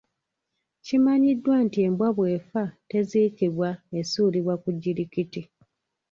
Kimanyiddwa nti embwa bw'efa teziikibwa esuulibwa ku jjirikiti.